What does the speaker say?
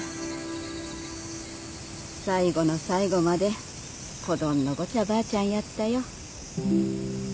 最後の最後まで子どんのごちゃばあちゃんやったよ。